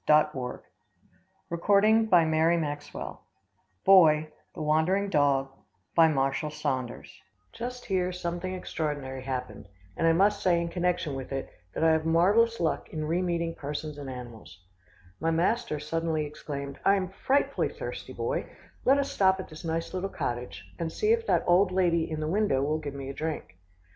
[Illustration: THE LADY GAY CAT] CHAPTER XIII THE LADY GAY CAT Just here something extraordinary happened, and I must say in connection with it, that I have marvellous luck in remeeting persons and animals. My master suddenly exclaimed, "I am frightfully thirsty, Boy. Let us stop at this nice little cottage, and see if that old lady in the window will give me a drink."